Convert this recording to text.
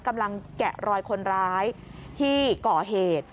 กำลังแกะรอยคนร้ายที่ก่อเหตุ